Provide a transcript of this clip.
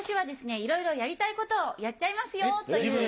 いろいろやりたいことをやっちゃいますよ！という。